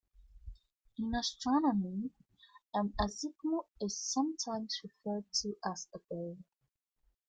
In astronomy, an "azimuth" is sometimes referred to as a bearing.